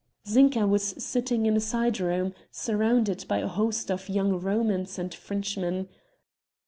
Zinka was sitting in a side room, surrounded by a host of young Romans and Frenchmen.